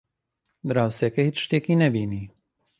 دراوسێکە هیچ شتێکی نەبینی.